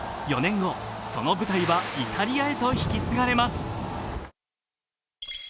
４年後、その舞台はイタリアへと引き継がれます。